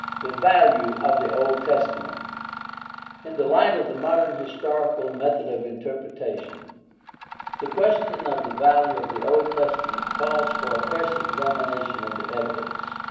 THE VALUE OF THE OLD TESTAMENT In the light of the modern historical method of interpreta tion the question of the value of the Old Testament calls for a fresh examination of the evidence.